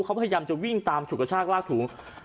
เขาพยายามจะวิ่งตามสุขชาติลากถูง